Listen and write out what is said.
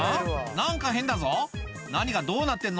何か変だぞ何がどうなってんの？